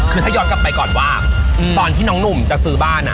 คือถ้าย้อนกลับไปก่อนว่าตอนที่น้องหนุ่มจะซื้อบ้าน